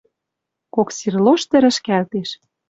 Кок сир лошты рӹшкӓлтеш.